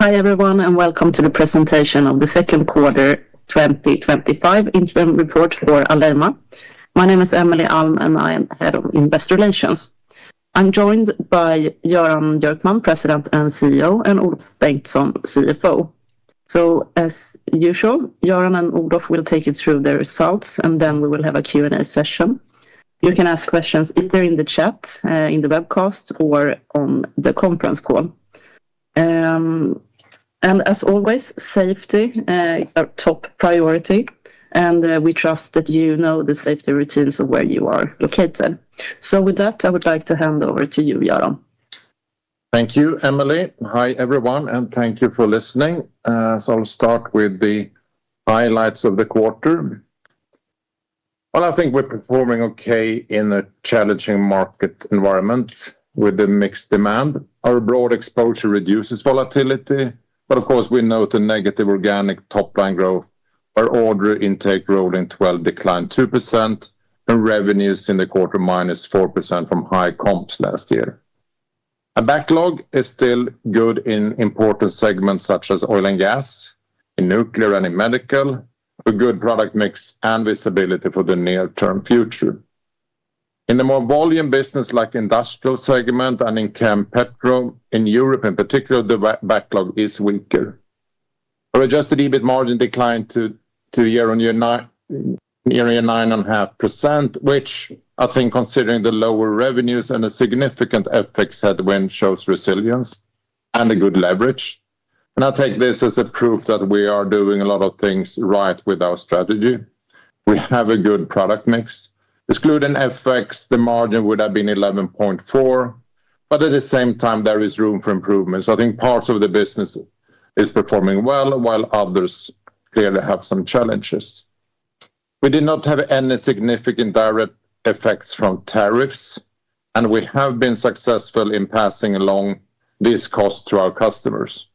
Hi everyone and welcome to the presentation of the second quarter 2025 interim report for Alleima. My name is Emelie Alm and I am Head of Investor Relations. I'm joined by Göran Björkman, President and CEO, and Olof Bengtsson, CFO. As usual, Göran and Olof will take you through the results and then we will have a Q and A session. You can ask questions either in the chat, in the webcast, or on the conference call. As always, safety is our top priority and we trust that you know the safety routines of where you are located. With that, I would like to hand over to you, Göran. Thank you, Emelie. Hi everyone, and thank you for listening. I'll start with the highlights of the quarter. I think we're performing okay in a challenging market environment with the mixed demand. Our broad exposure reduces volatility, but of course we note a negative organic top-line growth. Our order intake rolling 12 declined 2%, and revenues in the quarter -4% from high comps last year. A backlog is still good in important segments such as oil and gas, in nuclear, and in medical, a good product mix and visibility for the near-term future. In the more volume business like industrial segment and in chem petro in Europe in particular, the backlog is weaker. Our adjusted EBIT margin declined to year-on-year 9.5%, which I think, considering the lower revenues and a significant FX headwind, shows resilience and a good leverage. I take this as a proof that we are doing a lot of things right with our strategy. We have a good product mix. Excluding FX, the margin would have been 11.4%, but at the same time there is room for improvement. I think parts of the business is performing well while others clearly have some challenges. We did not have any significant direct effects from tariffs, and we have been successful in passing along these costs to our customers.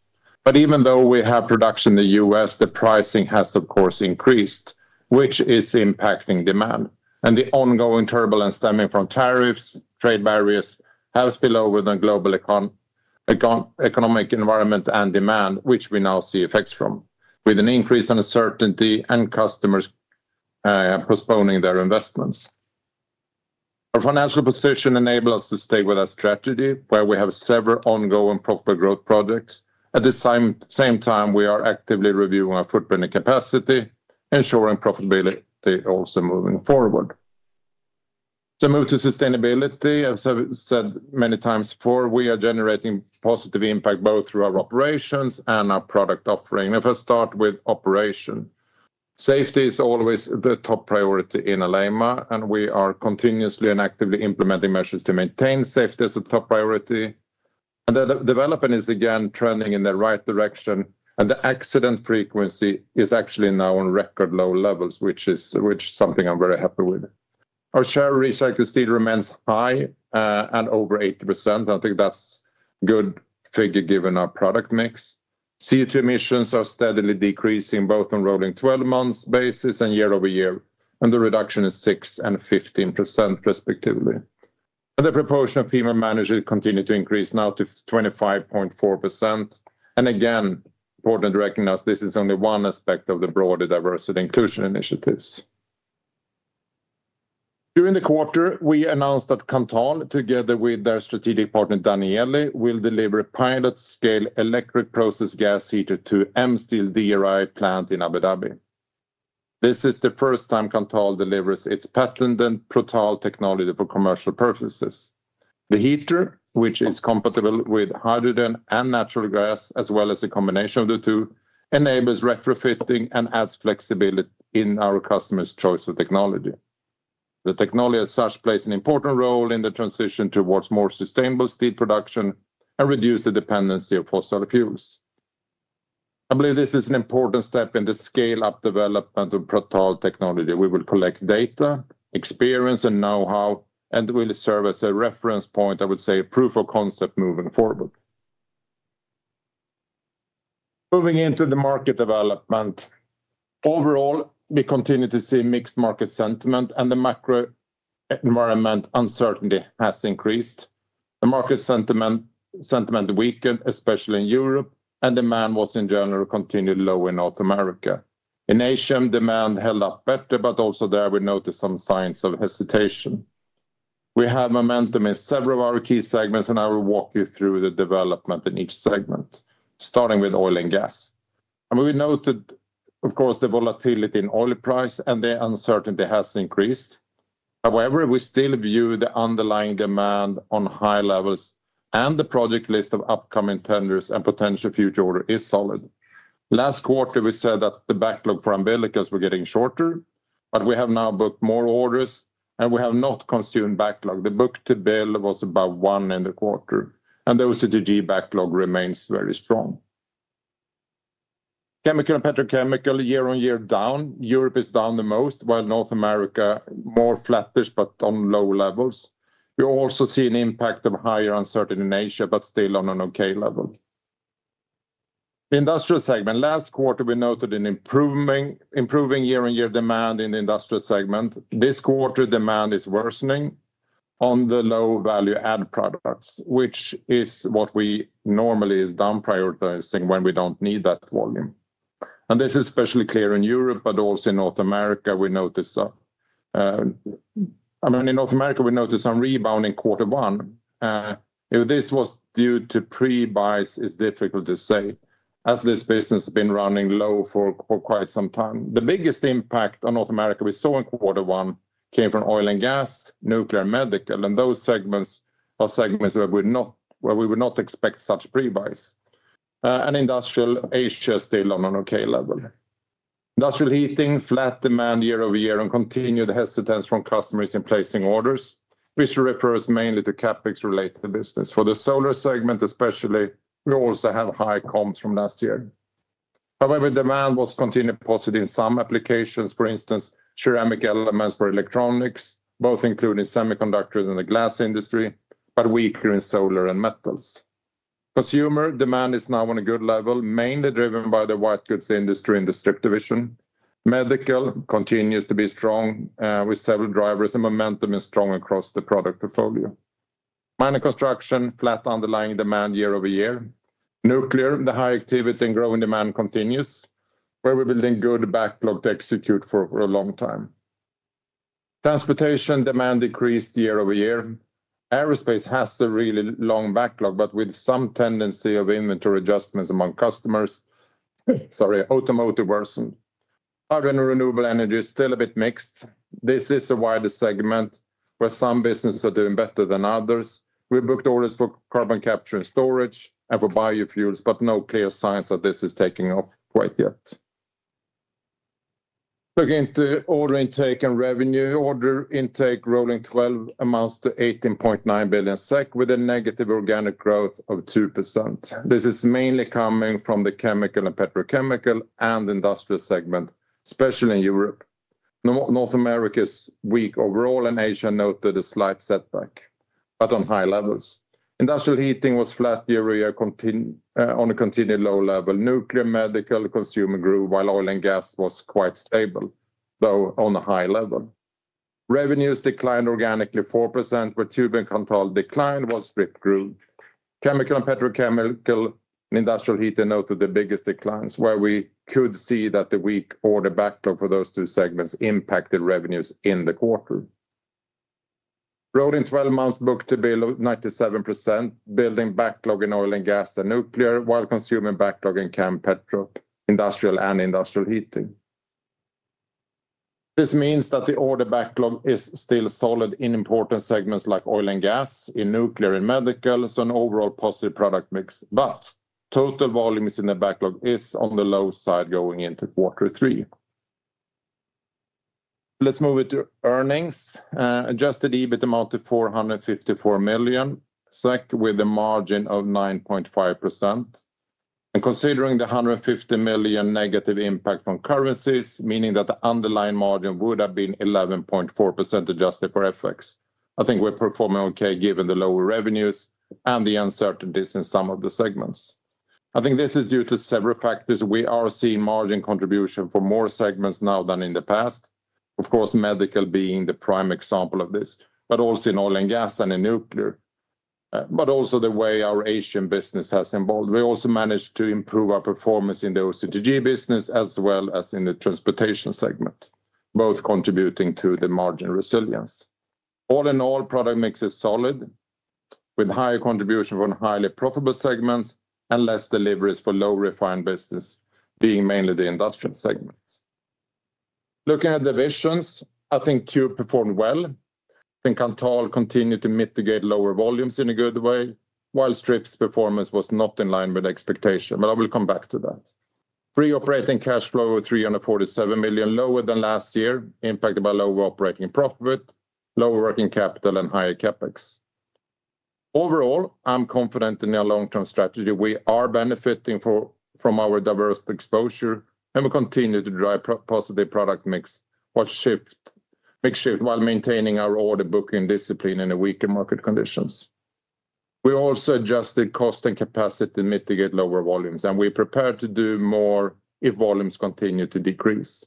Even though we have production in the U.S., the pricing has of course increased, which is impacting demand and the ongoing turbulence stemming from tariffs. Trade barriers help be lower than global economic environment and demand, which we now see effects from with an increase in uncertainty and customers postponing their investments. Our financial position enables us to stay with our strategy where we have several ongoing proper growth projects. At the same time, we are actively reviewing our footprint and capacity, ensuring profitability also moving forward. Moving to sustainability, as I said many times before, we are generating positive impact both through our operations and our product offering. Let us start with operation. Safety is always the top priority in Alleima, and we are continuously and actively implementing measures to maintain safety as a top priority, and the development is again trending in the right direction. The accident frequency is actually now on record low levels, which is something I'm very happy with. Our share recycle still remains high and over 80%. I think that's a good figure given our product mix. CO2 emissions are steadily decreasing both on rolling 12 months basis and year-over-year, and the reduction is 6% and 15% respectively. The proportion of female managers continues to increase, now to 25.4%, and again, important to recognize this is only one aspect of the broader diversity inclusion initiatives. During the quarter, we announced that Kanthal, together with their strategic partner Danieli, will deliver pilot scale electric process gas heater to [M Steel] DRI plant in Abu Dhabi. This is the first time Kanthal delivers its patented Protal technology for commercial purposes. The heater, which is compatible with hydrogen and natural gas as well as a combination of the two, enables retrofitting and adds flexibility in our customers' choice of technology. The technology as such plays an important role in the transition towards more sustainable steel production and reduces the dependency on fossil fuels. I believe this is an important step in the scale up development of Protal technology. We will collect data, experience, and know-how, and will serve as a reference point. I would say a proof of concept moving forward. Moving into the market development overall, we continue to see mixed market sentiment, and the macro environment uncertainty has increased. The market sentiment weakened especially in Europe, and demand was in general continued low in North America. In Asia, demand held up better, but also there we noticed some signs of hesitation. We have momentum in several of our key segments, and I will walk you through the development in each segment, starting with oil and gas, and we noted of course the volatility in oil price and the uncertainty has increased. However, we still view the underlying demand on high levels, and the project list of upcoming tenders and potential future order is solid. Last quarter, we said that the backlog for umbilicals was getting shorter, but we have now booked more orders and we have not consumed backlog. The book to bill was above one in the quarter, and the OCTG backlog remains very strong. Chemical and petrochemical year-on-year down, Europe is down the most while North America more flattish but on low levels. We also see an impact of higher uncertainty in Asia, but still on an okay level. The industrial segment, last quarter we noted an improving year-on-year demand in the industrial segment. This quarter demand is worsening on the low value add products, which is what we normally is done prioritizing when we don't need that volume, and this is especially clear in Europe but also in North America we notice. I mean, in North America we noticed some rebound in quarter 1. If this was due to pre-buys is difficult to say as this business been running low for quite some time. The biggest impact on North America we saw in quarter 1 came from oil and gas, nuclear, medical, and those segments are segments where we would not expect such pre-buys, and industrial Asia still on an okay level. Industrial heating flat demand year-over-year and continued hesitance from customers in placing orders, which refers mainly to CapEx related business. For the solar segment especially, we also have high comps from last year. However, demand was continued positive in some applications. For instance, ceramic elements for electronics, both including semiconductors in the glass industry, but weaker in solar and metals. Consumer demand is now on a good level, mainly driven by the white goods industry in the strip division. Medical continues to be strong with several drivers, and momentum is strong across the product portfolio. Minor construction, flat underlying demand year-over-year. Nuclear, the high activity and growing demand continues where we're building good backlog to execute for a long time. Transportation demand decreased year-over-year. Aerospace has a really long backlog but with some tendency of inventory adjustments among customers. Sorry. Automotive worsen. Hydro renewable energy is still a bit mixed. This is a wider segment where some businesses are doing better than others. We booked orders for carbon capture and storage and for biofuels, but no clear signs that this is taking off quite yet. Looking into order intake and revenue. Order intake rolling 12 amounts to 18.9 billion SEK with a negative organic growth of 2%. This is mainly coming from the chemical and petrochemical and industrial segment, especially in Europe. North America's weak overall, and Asia noted a slight setback but on high levels. Industrial heating was flat on a continued low level. Nuclear, medical, consumer grew while oil and gas was quite stable, though on a high level. Revenues declined organically 4% with tube and control declined while strip grew. Chemical and petrochemical till Industrial heater noted the biggest declines, where we could see that the weak order backlog for those two segments impacted revenues in the quarter. Rolling 12 months booked to build 97%, building backlog in oil and gas and nuclear while consuming backlog in cam, petro, industrial, and industrial heating. This means that the order backlog is still solid in important segments like oil and gas, in nuclear, and medical. An overall positive product mix, but total volumes in the backlog is on the low side going into quarter three. Let's move it to earnings. Adjusted EBIT amount of 454 million SEK with a margin of 9.5%, and considering the 150 million negative impact on currencies, meaning that the underlying margin would have been 11.4% adjusted for FX. I think we're performing okay given the lower revenues and the uncertainties in some of the segments. I think this is due to several factors. We are seeing margin contribution from more segments now than in the past, of course medical being the prime example of this, but also in oil and gas and in nuclear, but also the way our Asian business has evolved. We also managed to improve our performance in the OCTG business as well as in the transportation segment, both contributing to the margin resilience. All in all, product mix is solid with higher contribution from highly profitable segments and less deliveries for low refined business, being mainly the industrial segments. Looking at divisions, I think tube performed well. I think Kanthal continued to mitigate lower volumes in a good way, while strip's performance was not in line with expectation. I will come back to that. Pre operating cash flow of 347 million, lower than last year, impacted by lower operating profit, lower working capital, and higher CapEx. Overall, I'm confident in our long term strategy. We are benefiting from our diverse exposure, and we continue to drive positive product mix or shift mix shift while maintaining our order booking discipline in the weaker market conditions. We also adjusted cost and capacity to mitigate lower volumes, and we prepared to do more if volumes continue to decrease.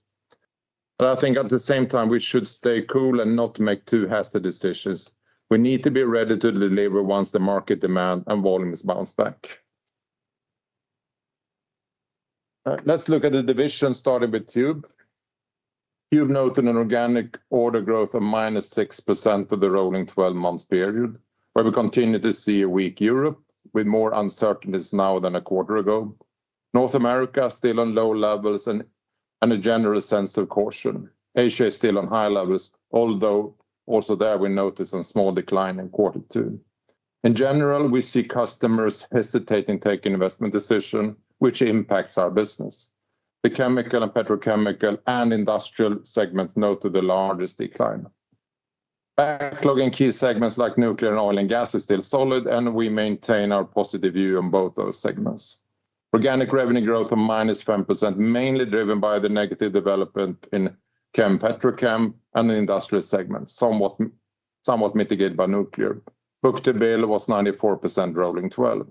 At the same time, we should stay cool and not make too hasty decisions. We need to be ready to deliver once the market demand and volumes bounce back. Let's look at the division starting with tube. Tube noted an organic order growth of -6% for the rolling 12-month period where we continue to see a weak Europe with more uncertainties now than a quarter ago. North America still on low levels and a general sense of caution. Asia is still on high levels, although also there we notice a small decline in quarter two. In general, we see customers hesitating taking investment decision which impacts our business. The chemical and petrochemical and industrial segments noted the largest decline. Backlogging key segments like nuclear and oil and gas is still solid, and we maintain our positive view on both those segments. Organic revenue growth of -10% mainly driven by the negative development in chem, petrochem, and the industrial segment, somewhat mitigated by nuclear. Book to bill was 94% rolling 12.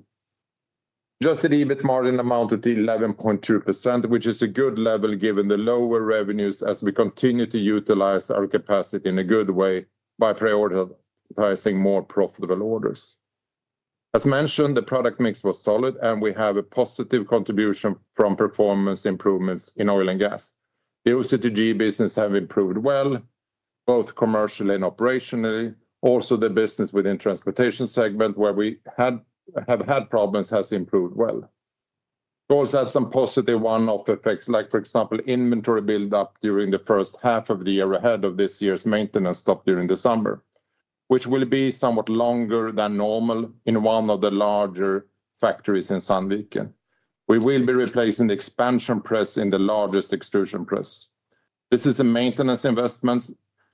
Adjusted EBIT margin amounted to 11.2%, which is a good level given the lower revenues as we continue to utilize our capacity in a good way by priority pricing more profitable orders. As mentioned, the product mix was solid and we have a positive contribution from performance improvements in oil and gas. The OCTG business has improved well both commercially and operationally. Also, the business within the transportation segment where we have had problems has improved well. Those had some positive one-off effects like, for example, inventory build-up during the first half of the year ahead of this year's maintenance stop during the summer, which will be somewhat longer than normal. In one of the larger factories in Sandvika, we will be replacing the expansion press in the largest extrusion press. This is a maintenance investment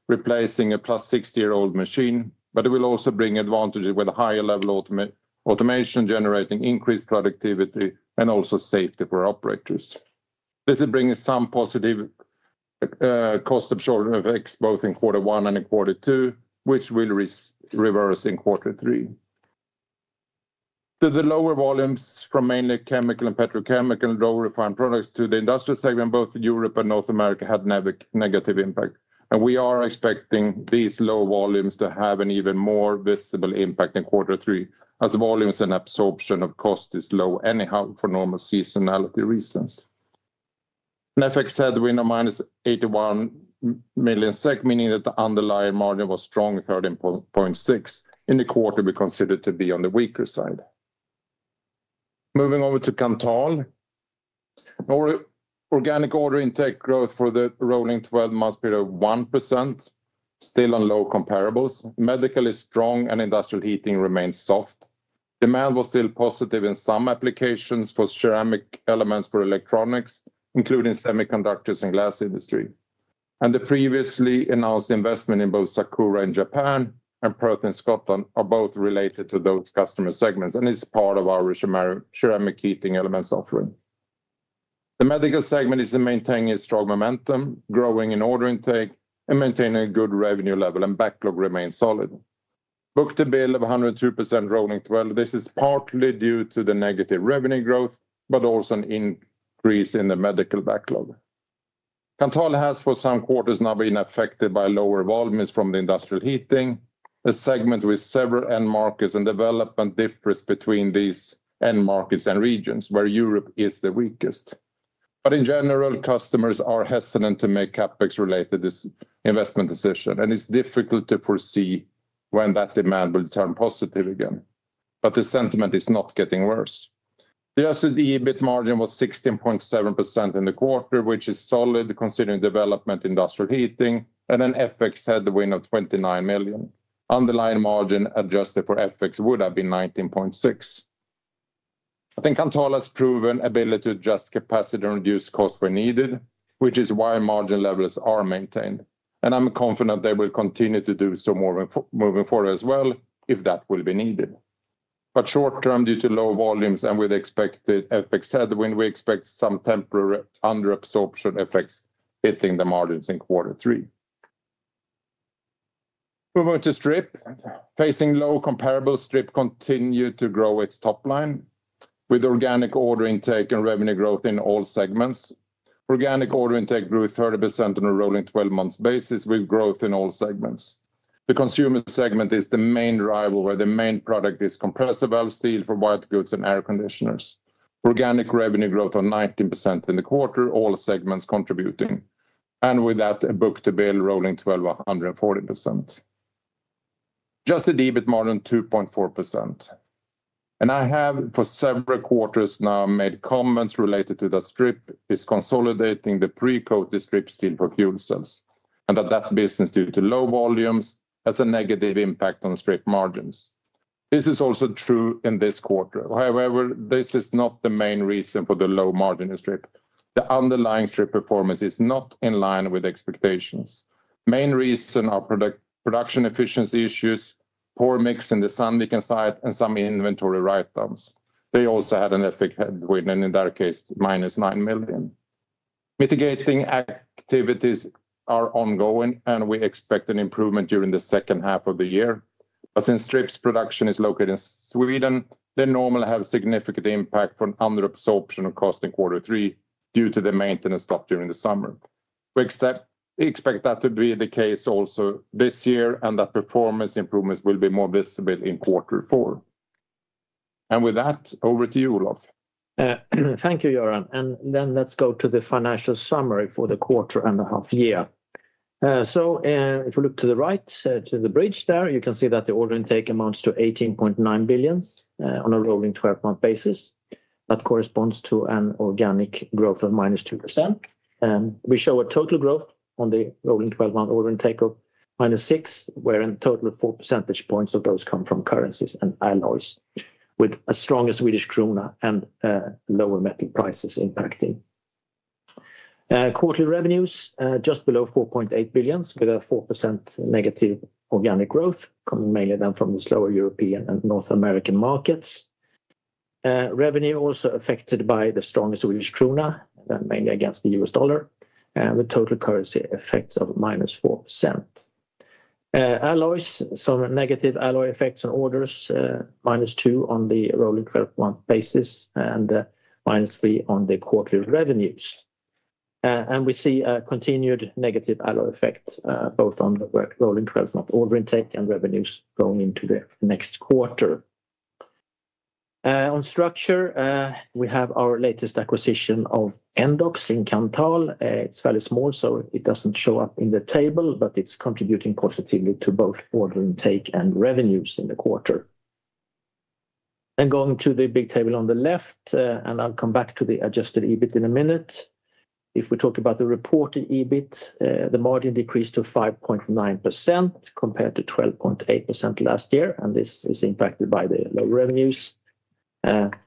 replacing a +60-year-old machine, but it will also bring advantages with a higher level of automation generating increased productivity and also safety for operators. This brings some positive cost of shoulder effects both in quarter one and in quarter two, which will reverse in quarter three. The lower volumes from mainly chemical and petrochemical, low refined products to the industrial segment, both Europe and North America, had negative impact and we are expecting these low volumes to have an even more visible impact in quarter three as volumes and absorption of cost is low anyhow, for normal seasonality reasons. [FX headwind] of -81 million SEK, second meaning that the underlying margin was strong, 13.6% in the quarter, we considered to be on the weaker side. Moving over to Kanthal, organic order intake growth for the rolling 12 months period of 1%, still on low comparables. Medical is strong and industrial heating remains soft. This demand was still positive in some applications for ceramic elements for electronics, including semiconductors and glass industry, and the previously announced investment in both Sakura in Japan and Perth in Scotland are both related to those customer segments and is part of our ceramic heating elements offering. The medical segment is maintaining a strong momentum, growing in order intake and maintaining a good revenue level, and backlog remains solid, booked a bill of 102% rolling 12. This is partly due to the negative revenue growth but also an increase in the medical backlog. Kanthal has for some quarters now been affected by lower volumes from the industrial heating, a segment with several end markets and development difference between these end markets and regions where Europe is the weakest. In general, customers are hesitant to make CapEx related investment decision, and it's difficult to foresee when that demand will turn positive again. The sentiment is not getting worse. The [SSD] EBIT margin was 16.7% in the quarter, which is solid considering development, industrial heating, and an FX headwind of 29 million. Underlying margin adjusted for FX would have been 19.6%. I think Kanthal's proven ability to adjust capacity and reduce costs when needed, which is why margin levels are maintained. I'm confident they will continue to do some more moving forward as well if that will be needed. Short term, due to low volumes and with expected FX headwind, we expect some temporary under-absorption effects hitting the margins in quarter three. Move on to strip, facing low comparable, strip continue to grow its top line with organic order intake and revenue growth in all segments. Organic order intake grew 30% on a rolling 12 months basis with growth in all segments. The consumer segment is the main rival where the main product is compressible steel for bio goods and air conditioners. Organic revenue growth of 19% in the quarter, all segments contributing, and with that a book to bill rolling [12 of 40%]. Adjusted EBIT more than 2.4%, and I have for several quarters now made comments related to that strip is consolidating the pre-coated strip steel for fuel cells and that that business due to low volumes has a negative impact on strip margins. This is also true in this quarter. However, this is not the main reason for the low margin in strip. The underlying strip performance is not in line with expectations. Main reason are production efficiency issues, poor mix in the Sandvika site, and some inventory write-downs. They also had an FX effect headwind and in that case -9 million. Mitigating activities are ongoing, and we expect an improvement during the second half of the year. Since strip's production is located in Sweden, they normally have significant impact from under-absorption of cost in quarter three due to the maintenance stop during the summer. We expect that to be the case also this year and that performance improvements will be more visible in quarter four. With that, over to you Olof. Thank you, Göran. Let's go to the financial summary for the quarter and half year. If we look to the right to the bridge there, you can see that the order intake amounts to 18.9 billion on a rolling 12-month basis. That corresponds to an organic growth of -2%. We show a total growth on the rolling 12-month order intake of -6%, where in total 4 percentage points of those come from currencies and alloys, with a stronger Swedish krona and lower metal prices impacting. Quarterly revenues, just below 4.8 billion, with a 4% negative organic growth coming mainly down from the slower European and North American markets. Revenue also affected by the stronger Swedish krona, mainly against the U.S. dollar, with total currency effect of -4%. Alloys, some negative alloy effects on orders, -2% on the rolling 12-month basis and -3% on the quarterly revenues. We see a continued negative alloy effect both on the rolling 12-month order intake and revenues going into the next quarter. On structure, we have our latest acquisition of Endox in Kanthal. It's fairly small, so it doesn't show up in the table, but it's contributing positively to both order intake and revenues in the quarter. Going to the big table on the left, I'll come back to the adjusted EBIT in a minute. If we talk about the reported EBIT, the margin decreased to 5.9% compared to 12.8% last year. This is impacted by the low revenues,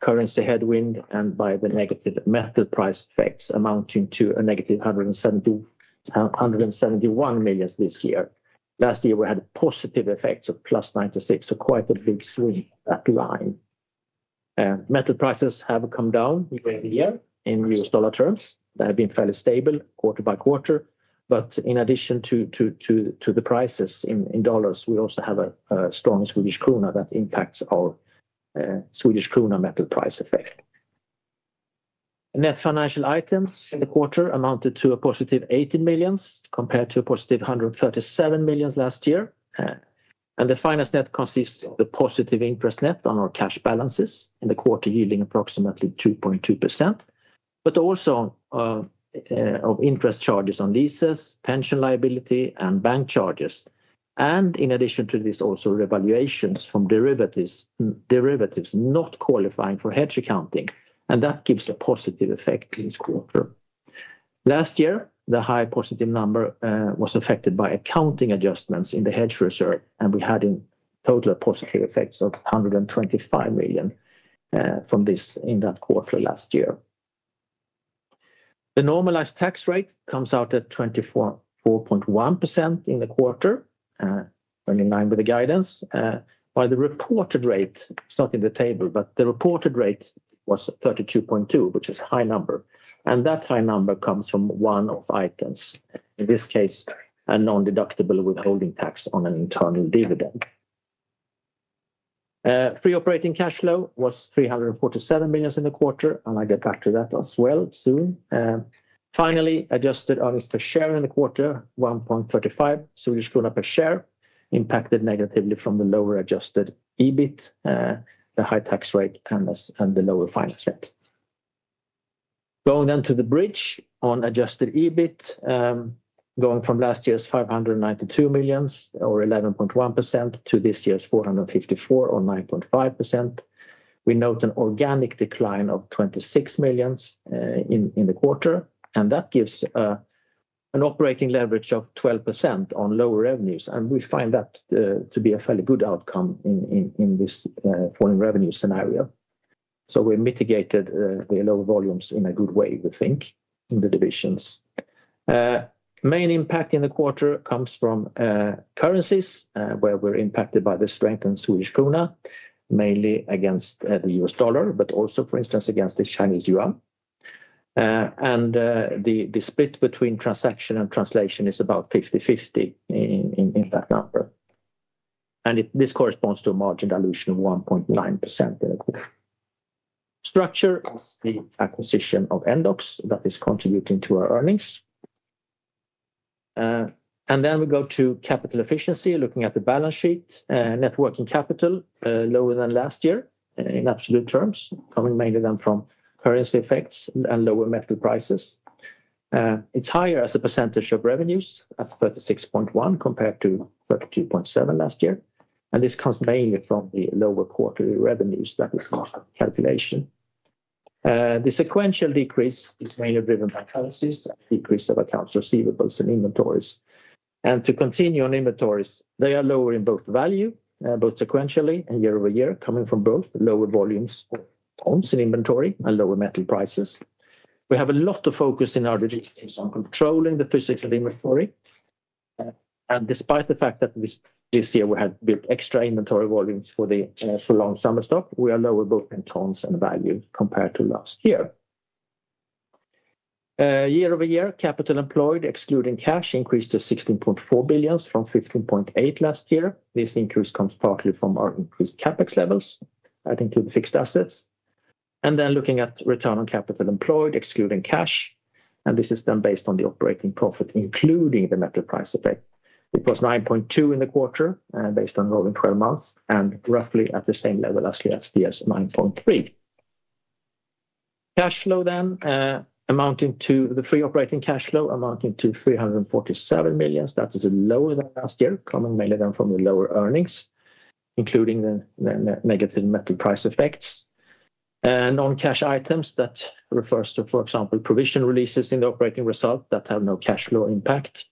currency headwind, and by the negative metal price effects amounting to a negative 171 million this year. Last year, we had a positive effect of +96 million, so quite a big swing that line. Metal prices have come down year-over-year in U.S. dollar terms. They have been fairly stable quarter by quarter. In addition to the prices in dollars, we also have a strong Swedish krona that impacts all Swedish krona metal price effect. Net financial items in the quarter amounted to a +18 million compared to the +137 million last year. The finance net consists of the positive interest net on our cash balances in the quarter, yielding approximately 2.2%, but also of interest charges on leases, pension liability, and bank charges. In addition to this, also revaluations from derivatives not qualifying for hedge accounting, and that gives a positive effect this quarter. Last year, the high positive number was affected by accounting adjustments in the hedge reserve. We had total positive effects of 125 million from this in that quarter. Last year the normalized tax rate comes out at 24.1% in the quarter, 29% with the guidance, while the reported rate, it's not in the table, but the reported rate was 32.2%, which is a high number. That high number comes from one-off items, in this case a non-deductible withholding tax on an internal dividend. Free operating cash flow was 347 million in the quarter. I'll get back to that as well soon. Finally, adjusted earnings per share in the quarter, 1.35 Swedish krona per share, impacted negatively from the lower adjusted EBIT, the high tax rate, and the lower [FX]. Going down to the bridge on adjusted EBIT, going from last year's 592 million or 11.1% to this year's 454 million or 9.5%. We note an organic decline of 26 million in the quarter. That gives an operating leverage of 12% on lower revenues. We find that to be a fairly good outcome in this foreign revenue scenario. We mitigated the lower volumes in a good way, we think, in the divisions. Main impact in the quarter comes from currencies, where we're impacted by the strength in Swedish krona mainly against the U.S. dollar, but also, for instance, against the Chinese yuan. The split between transaction and translation is about 50/50 in that number. This corresponds to a margin dilution of 1.9%. Structure as the acquisition of Endox that is contributing to our earnings. We go to capital efficiency. Looking at the balance sheet, net working capital lower than last year in absolute terms, coming mainly then from currency effects and lower metal prices. It's higher as a percentage of revenues at 36.1% compared to 32.7% last year. This comes mainly from the lower quarterly revenues. That is after calculation. The sequential decrease is mainly driven by currencies, decrease of accounts receivables, and inventories. To continue on inventories, they are lower in both value, both sequentially and year-over-year, coming from both lower volumes in inventory and lower metal prices. We have a lot of focus in our on controlling the physics of the inventory. Despite the fact that this year we had extra inventory volumes for the [Shillong] summer stock, we are lower both in tonnes and value compared to last year. Year-over-year, capital employed excluding cash increased to 16.4 billion from 15.8 billion last year. This increase comes partly from our increased CapEx levels, adding to the fixed assets and then looking at return on capital employed excluding cash. This is done based on the operating profit including the metal price effect. It was 9.2 in the quarter based on going 12 months and roughly at the same level as [last year's] 9.3. Cash flow then amounting to the free operating cash flow amounting to 347 million. That is lower than last year, coming mainly from the lower earnings including the negative metal price effects. Non-cash items refer to, for example, provision releases in the operating result that have no cash flow impact.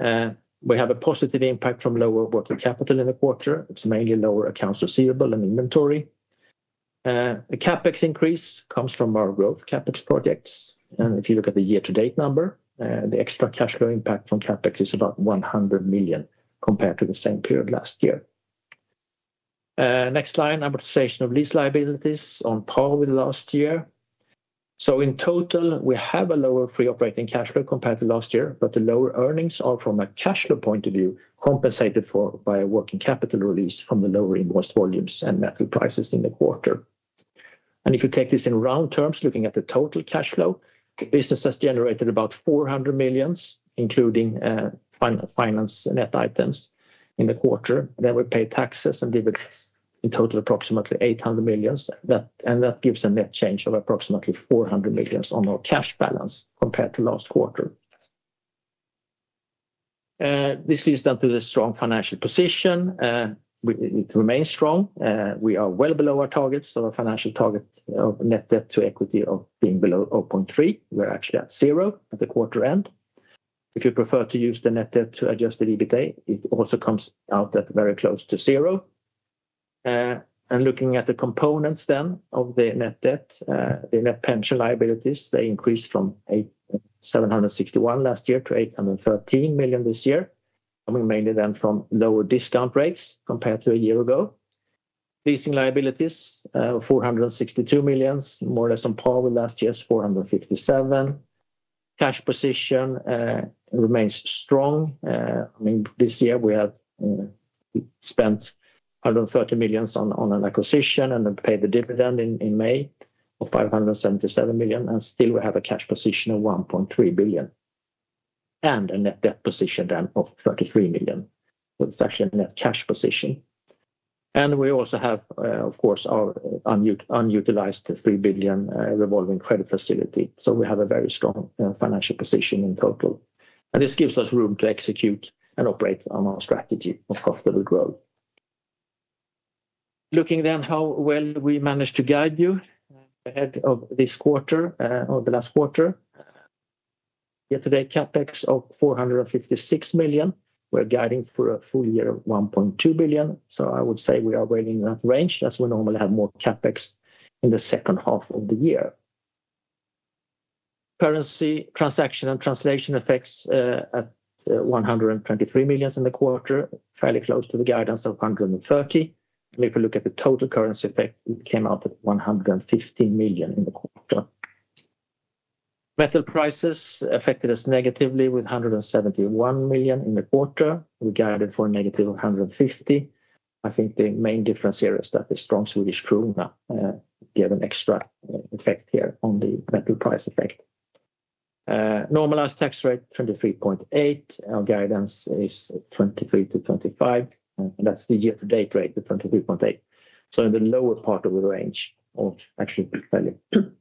We have a positive impact from lower working capital in the quarter. It is mainly lower accounts receivable and inventory. The CapEx increase comes from our growth CapEx projects. If you look at the year-to-date number, the extra cash flow impact from CapEx is about 100 million compared to the same period last year. Next line, amortization of lease liabilities on par with last year. In total, we have a lower free operating cash flow compared to last year. The lower earnings are, from a cash flow point of view, compensated for by a working capital release from the lower invoice volumes and metal prices in the quarter. If you take this in round terms, looking at the total cash flow, the business has generated about 400 million including finance net items in the quarter. We pay taxes and dividends in total approximately 800 million. That gives a net change of approximately 400 million on our cash balance compared to last quarter. This is due to the strong financial position. It remains strong. We are well below our targets. Our financial target net debt to equity of being below 0.3, we are actually at 0 at the quarter end. If you prefer to use the net debt to adjusted EBITDA, it also comes out at very close to zero. Looking at the components of the net debt, the net pension liabilities increased from 761 million last year to 813 million this year, coming mainly from lower discount rates compared to a year ago. Leasing liabilities 462 million, more or less on par with last year's 457 million. Cash position remains strong. This year we have spent 130 million on an acquisition and paid the dividend in May of 577 million. Still, we have a cash position of 1.3 billion and a net debt position of 33 million with such a net cash position. We also have, of course, our unutilized SEK 3 billion revolving credit facility. We have a very strong financial position in total. This gives us room to execute and operate on our strategy of profitable growth. Looking then at how well we managed to guide you ahead of this quarter or the last quarter. Year-to-date CapEx of 456 million. We're guiding for a full year of 1.2 billion. I would say we are well in that range as we normally have more CapEx in the second half of the year. Currency transaction and translation effects at 123 million in the quarter, fairly close to the guidance of 130 million. If you look at the total currency effect, we came out at 115 million in the quarter. Metal prices affected us negatively with 171 million in the quarter. We guided for negative 150 million. I think the main difference here is that the strong Swedish krona gave an extra effect here on the metal price effect. Normalized tax rate 23.8%. Our guidance is 23%-25%. That's the year-to-date rate, the 23.8%. In the lower part of the range of attribute value,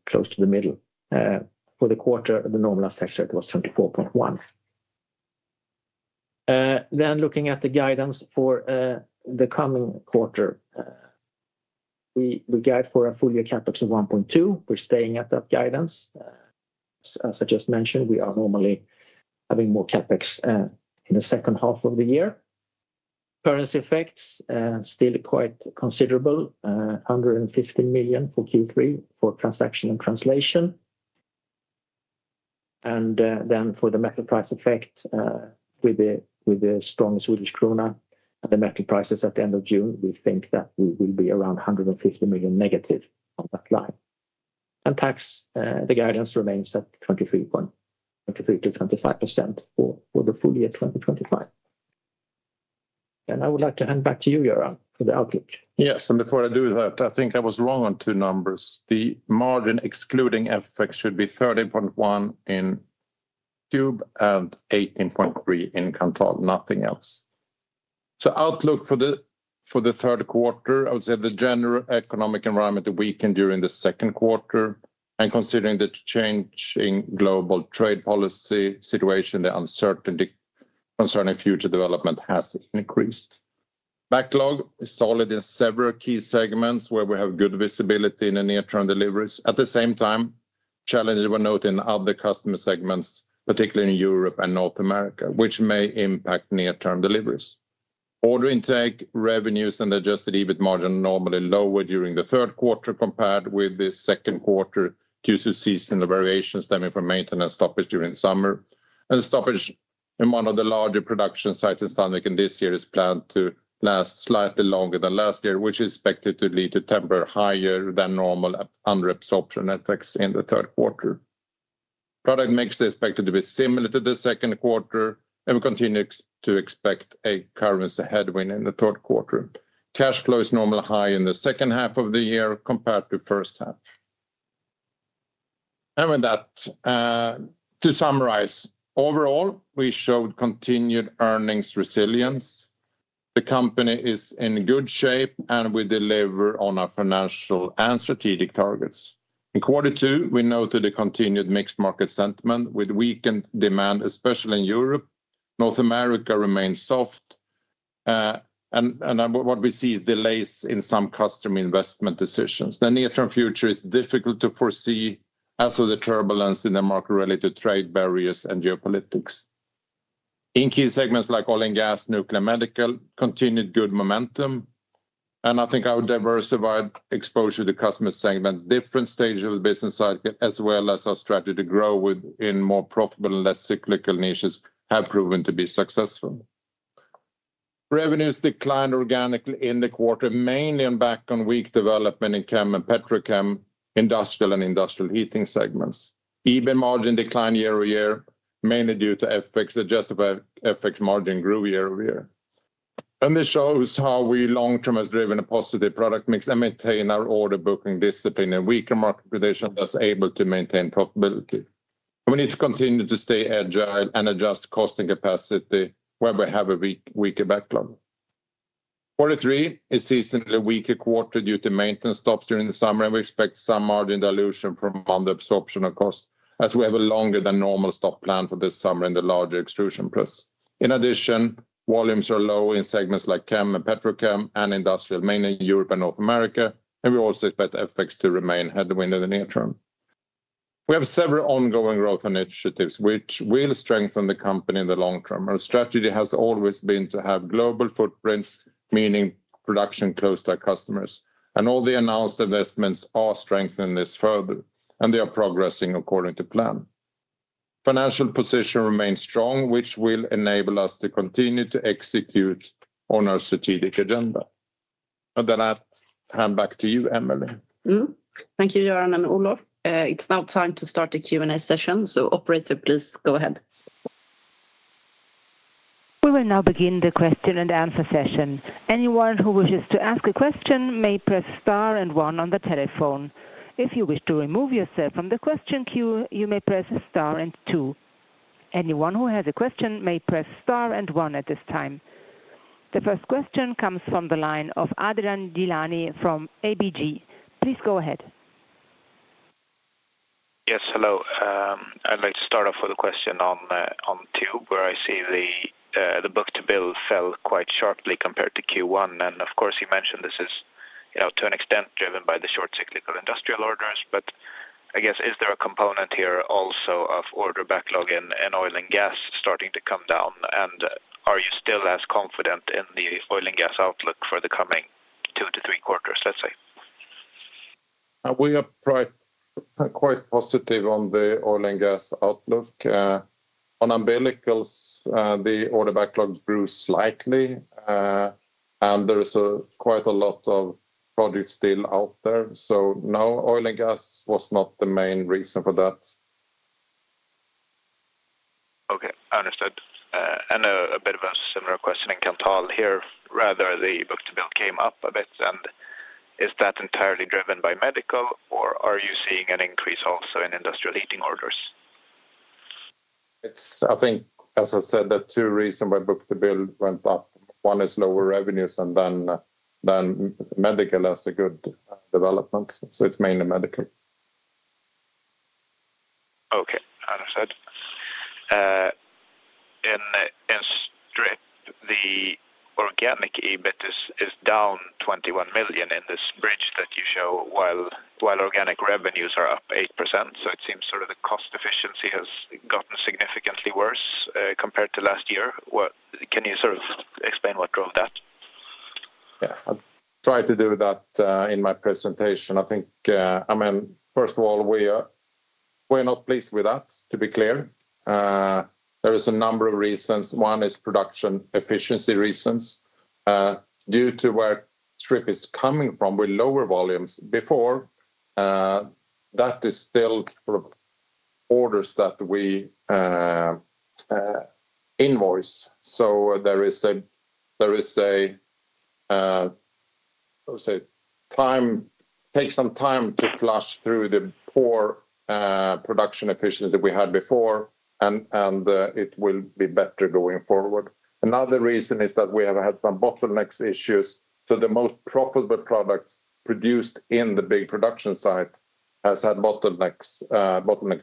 close to the middle for the quarter, the normalized tax rate was 24.1%. Looking at the guidance for the coming quarter, we guide for a full year CapEx of 1.2 billion. We're staying at that guidance. As I just mentioned, we are normally having more CapEx in the second half of the year. Currency effects still quite considerable, 150 million for Q3 for transaction and translation, and then for the metal price effect with the strong Swedish krona and the metal prices at the end of June, we think that we will be around -150 million on that line. Tax guidance remains at 23%-25% for the full year 2025. I would like to hand back to you, Göran, for the outlook. Yes, before I do that, I think I was wrong on two numbers. The margin excluding FX should be 30.1 in tube and 18.3 in Kanthal. Nothing else. Outlook for the third quarter, I would say the general economic environment weakened during the second quarter, and considering the changing global trade policy situation, the uncertainty concerning future development has increased. Backlog is solid in several key segments where we have good visibility in the near-term deliveries. At the same time, challenges were noted in other customer segments, particularly in Europe and North America, which may impact near-term deliveries. Order intake, revenues, and adjusted EBIT margin are normally lower during the third quarter compared with the second quarter due to seasonal variations stemming from maintenance stoppage during summer and stoppage in one of the larger production sites in Sandvika. This year is planned to last slightly longer than last year, which is expected to lead to temporarily higher than normal under-absorption effects in the third quarter. Product mix is expected to be similar to the second quarter, and we continue to expect a currency headwind in the third quarter. Cash flow is normally high in the second half of the year compared to the first half. With that, to summarize overall, we showed continued earnings resilience. The company is in good shape, and we deliver on our financial and strategic targets. In quarter two, we noted a continued mixed market sentiment with weakened demand, especially in Europe. North America remains soft, and what we see is delays in some customer investment decisions. The near-term future is difficult to foresee as for the turbulence in the market related to trade barriers and geopolitics. In key segments like oil and gas, nuclear, medical, continued good momentum, and I think our diversified exposure to customer segments, different stages of the business cycle, as well as our strategy to grow within more profitable, less cyclical niches, have proven to be successful. Revenues declined organically in the quarter mainly on the back of weak development in chem and petrochemical, industrial, and industrial heating segments. EBIT margin declined year-over-year mainly due to FX. Adjusted FX margin grew year-over-year, and this shows how we long term have driven a positive product mix and maintained our order booking discipline in weaker market conditions, thus able to maintain profitability. We need to continue to stay agile and adjust costing capacity where we have a weaker backlog. Quarter three is seasonally a weaker quarter due to maintenance stops during the summer, and we expect some margin dilution from under-absorption of costs as we have a longer than normal stock plan for this summer in the larger extrusion plus. In addition, volumes are low in segments like chem and petrochem and industrial, mainly Europe and North America, and we also expect FX to remain headwind in the near term. We have several ongoing growth initiatives which will strengthen the company in the long term. Our strategy has always been to have global footprints, meaning production close by customers, and all the announced investments are strengthening this further, and they are progressing according to plan. Financial position remains strong, which will enable us to continue to execute on our strategic agenda. I hand back to you, Emelie. Thank you Göran and Olof. It's now time to start the Q&A session, so operator please go ahead. We will now begin the question and answer session. Anyone who wishes to ask a question may press Star and one on the telephone. If you wish to remove yourself from the question queue, you may press Star and two. Anyone who has a question may press Star and one at this time. The first question comes from the line of Adrian Gilani from ABG. Please go ahead. Yes, hello, I'd like to start off with a question on tube where I see the book to bill fell quite sharply compared to Q1. Of course, you mentioned this is to an extent driven by the short cyclical industrial orders. I guess is there a component here also of order backlog in oil and gas starting to come down? Are you still as confident in the oil and gas outlook for the coming two to three quarters, let's say? We are quite positive on the oil and gas outlook. On umbilicals, the order backlog grew slightly, and there is quite a lot of projects still out there. No, oil and gas was not the main reason for that. Okay, understood. A bit of a similar question in Kanthal here. Rather, the book to bill came up a bit. Is that entirely driven by medical, or are you seeing an increase also in industrial heating orders? I think, as I said, the two reasons why book to bill went up, one is lower revenues, and then medical has a good development. It's mainly medical. Okay. Understood. In strip, the organic EBIT is down $21 million in this bridge that you show while organic revenues are up 8%. It seems the cost efficiency has gotten significantly worse compared to last year. Can you explain what drove that? Yeah, I tried to do that in my presentation, I think. I mean, first of all, we're not pleased with that. To be clear, there is a number of reasons. One is production efficiency reasons due to where strip is coming from with lower volumes before that is still orders that we invoice. There is a time, takes some time to flush through the poor production efficiency we had before and it will be better going forward. Another reason is that we have had some bottlenecks issues. The most profitable products produced in the big production site have had bottlenecks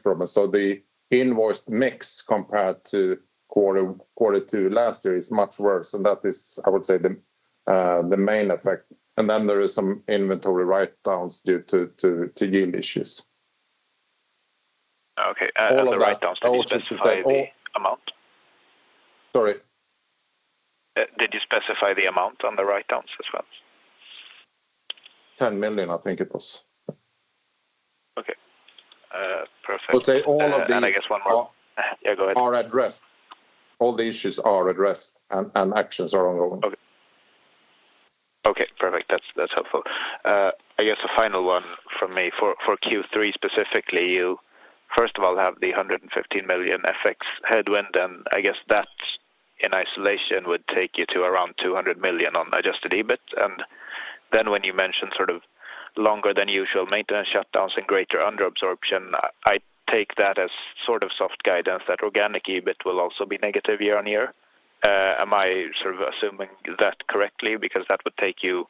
problems. The invoice mix compared to quarter two last year is much worse. That is, I would say, the main effect. Then there is some inventory write-downs due to yield issues. Okay. Sorry, did you specify the amount on the write-downs as well? 10 million I think it was. Okay, perfect. All of these. I guess one more. Yeah, go ahead. All the issues are addressed and actions are ongoing. Okay, perfect, that's helpful. I guess a final one for me for Q3 specifically, you first of all have the 115 million FX headwind and I guess that in isolation would take you to around 200 million on adjusted EBIT. When you mentioned sort of longer than usual maintenance shutdowns and greater under-absorption, I take that as sort of soft guidance that organic EBIT will also be negative year-on-year. Am I sort of assuming that correctly? Because that would take you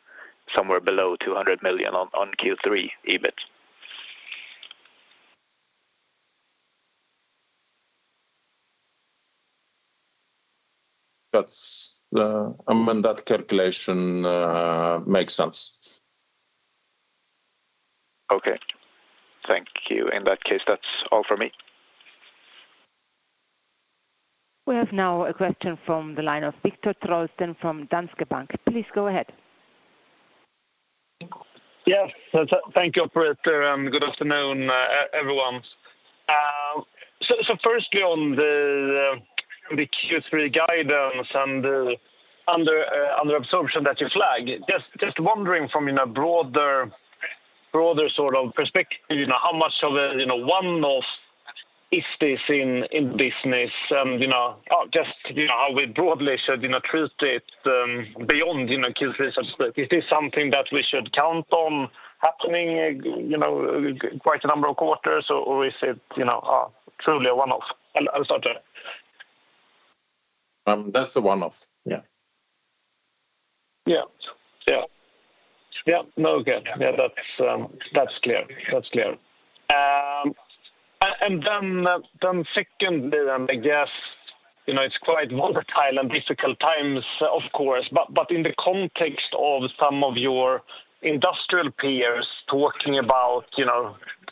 somewhere below 200 million on Q3 EBIT. That's, I mean that calculation makes sense. Okay, thank you. In that case, that's all for me. We have now a question from the line of Viktor Trollsten from Danske Bank. Please go ahead. Thank you, operator, and good afternoon everyone. Firstly, on the Q3 guidance and under-absorption that you flag, just wondering from a broader sort of perspective, how much of a one-off is this in business and how we broadly should treat it beyond, is this something that we should count on happening quite a number of quarters or is it truly a one-off? I'm sorry. That's the one off. Yeah, that's clear. Second, I guess it's quite volatile and [physical] times, of course. In the context of some of your industrial peers talking about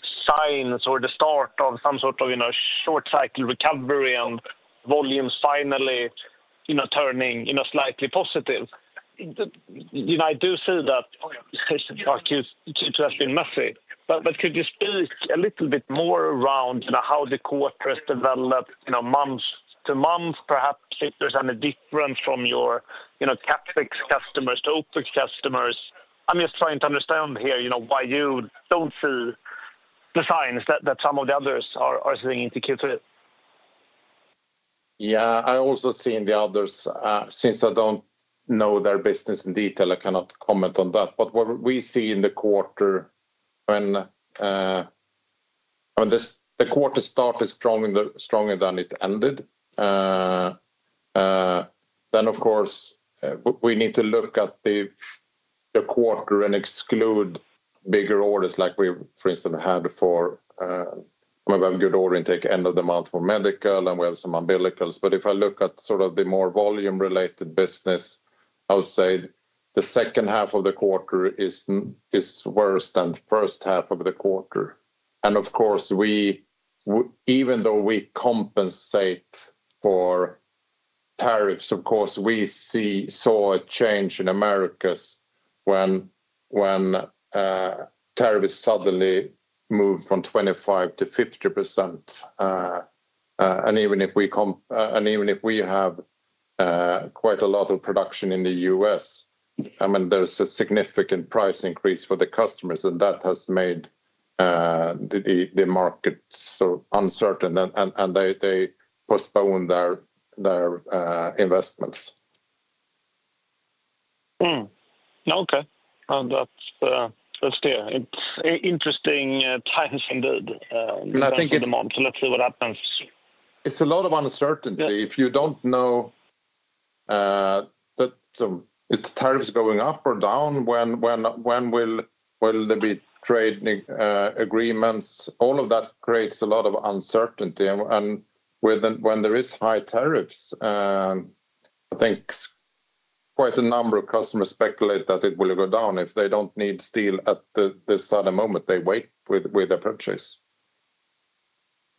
signs or the start of some sort of short cycle recovery and volumes finally turning slightly positive, I do say that [it's interesting]. Could you speak a little bit more around how the quarter has developed in a month to month, perhaps if there's any difference from your, you know, CapEx customers to OpEx customers? I'm just trying to understand here, you know, why you don't see the signs that some of the others are seeing into Q3. Yeah, I also see in the others, since I don't know their business in detail, I cannot comment on that. What we see in the quarter, when the quarter started stronger than it ended, we need to look at the quarter and exclude bigger orders like we, for instance, had for good order intake end of the month for medical and we have some umbilicals. If I look at sort of the more volume related business, I'll say the second half of the quarter is worse than the first half of the quarter. Even though we compensate for tariffs, we saw a change in the Americas when tariff is suddenly moved from 25% to 50%. Even if we have quite a lot of production in the U.S., there's a significant price increase for the customers and that has made the market so uncertain and they postpone their investments. Okay. It's interesting times at the moment. Let's see what happens. It's a lot of uncertainty. If you don't know if the tariffs are going up or down, when will there be trading agreements? All of that creates a lot of uncertainty. When there are high tariffs, I think quite a number of customers speculate that it will go down. If they don't need steel at the moment, they wait with a purchase.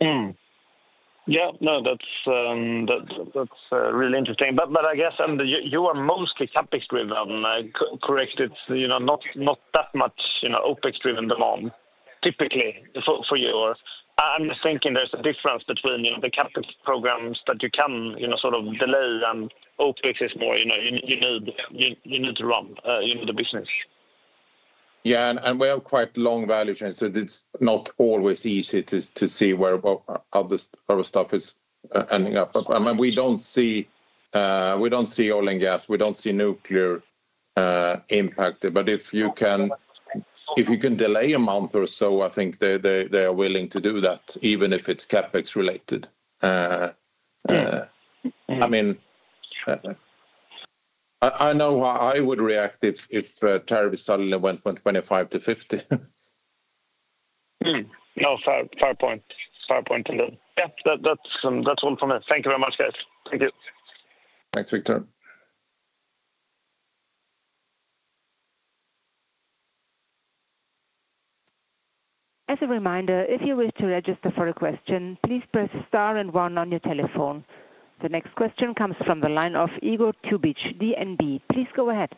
Yeah, no, that's really interesting. I guess you are mostly CapEx driven, correct? It's, you know, not that much OpEx driven demand typically for you. I'm thinking there's a difference between the CapEx programs that you can sort of delay, and OpEx is more, you know, you need to run the business. Yeah, we have quite a long value chain, so it's not always easy to see where our stuff is ending up. We don't see oil and gas, we don't see nuclear impact. If you can delay a month or so, I think they are willing to do that even if it's CapEx related. I mean, I know how I would react if terrorists suddenly went from 25% to 50%. No, fair. Fair point. That's all from it. Thank you very much, guys. Thank you. Thanks, Viktor. As a reminder, if you wish to register for a question, please press star and one on your telephone. The next question comes from the line of Igor Tubic, DNB. Please go ahead.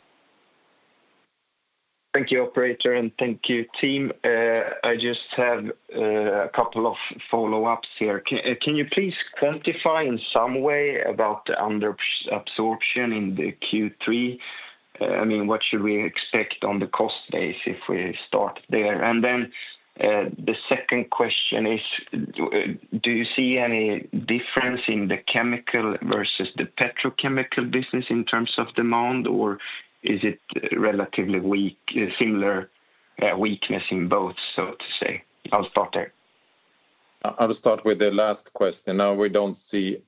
Thank you, operator, and thank you, team. I just have a couple of follow-ups here. Can you please quantify in some way about the under-absorption in the Q3? I mean, what should we expect on the cost base if we start there? The second question is, do you see any difference in the chemical versus the petrochemical business in terms of demand, or is it relatively weak? Similar weakness in both, so to say. I'll start there. I'll start with the last question now. We don't see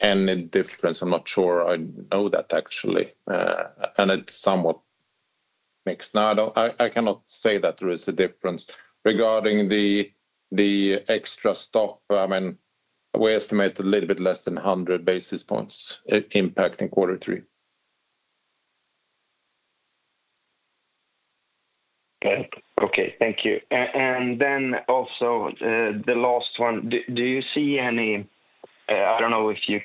any difference. I'm not sure I know that actually, and it's somewhat mixed now. I cannot say that there is a difference regarding the extra stock. I mean, we estimate a little bit less than 100 basis points impacting quarter three. Thank you. Also the last one, do you see any, I don't know if you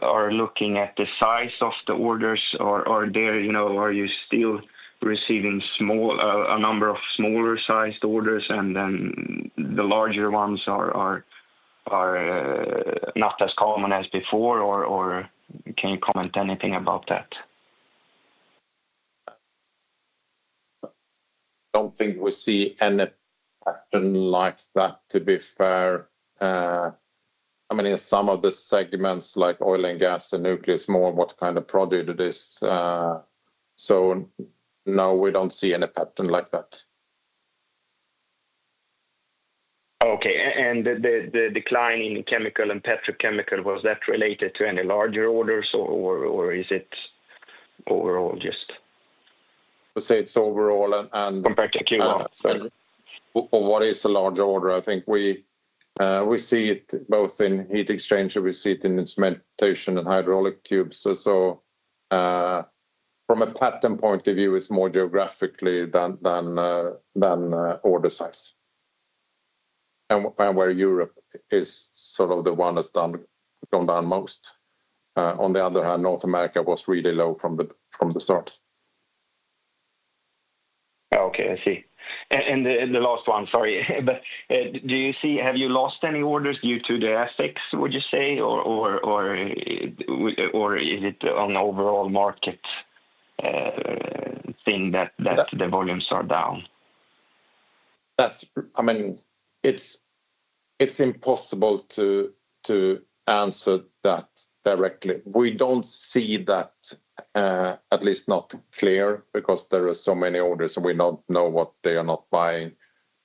are looking at the size of the orders, or are you still receiving a number of smaller sized orders and the larger ones are not as common as before, or can you comment anything about that? Don't think we see any pattern like that, to be fair. I mean, in some of the segments like oil and gas and nuclear, it's more what kind of product it is. No, we don't see any pattern like that. Okay. The decline in chemical and petrochemical, was that related to any larger orders, or is it overall compared to Q1? I'd say it's overall. What is a large order? I think we see it both in heat exchanger, we see it in its meditation and hydraulic tubes. From a patent point of view, it's more geographically than order size. Europe is sort of the one that's done combine most. On the other hand, North America was really low from the start. Okay, I see. The last one, sorry, but do you see, have you lost any orders due to the [FX], would you say? Or is it an overall market thing that the volumes are down? It's impossible to answer that directly. We don't see that, at least not clear because there are so many orders and we don't know what they are not buying.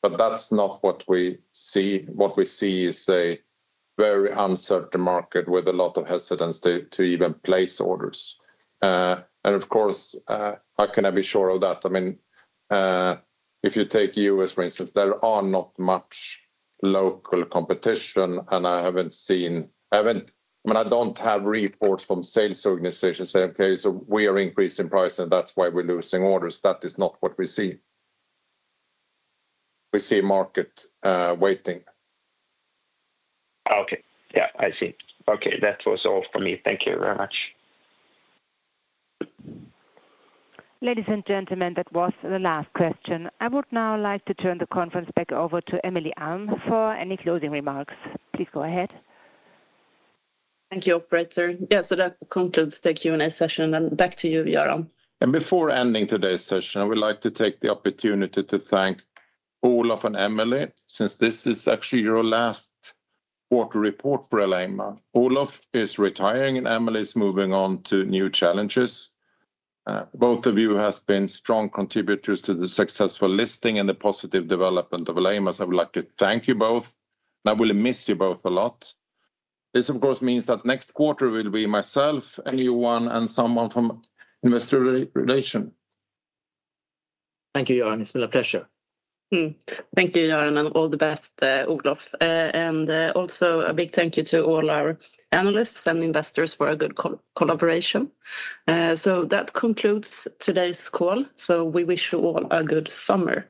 That's not what we see. What we see is a very uncertain market with a lot of hesitance to even place orders. Of course, I cannot be sure of that. If you take U.S. for instance, there is not much local competition and I haven't seen, I mean, I don't have reports from sales organizations saying, okay, we are increasing price and that's why we're losing orders. That is not what we see. We see market waiting. Okay. Yeah, I see. Okay, that was all for me. Thank you very much. Ladies and gentlemen, that was the last question. I would now like to turn the conference back over to Emelie Alm for any closing remarks. Please go ahead. Thank you, operator. Yes, that concludes the Q&A session. Back to you, Göran. Before ending today's session, I would like to take the opportunity to thank Olof and Emelie, since this is actually your last quarter report for Alleima. Olof is retiring and Emelie is moving on to new challenges. Both of you have been strong contributors to the successful listing and the positive development of Alleima. I would like to thank you both. I will miss you both a lot. This of course means that next quarter will be myself, a new one, and someone from Investor Relations. Thank you, Göran. It's been a pleasure. Thank you, Göran. All the best, Olof. Also, a big thank you to all our analysts and investors for a good collaboration. That concludes today's call. We wish you all a good summer.